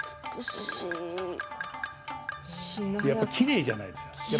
やっぱりきれいじゃないですか。